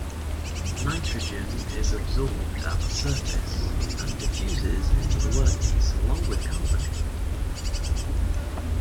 Nitrogen is absorbed at the surface and diffuses into the workpiece along with carbon.